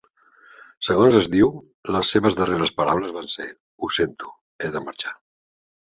Segons es diu, les seves darreres paraules van ser: Ho sento, he de marxar.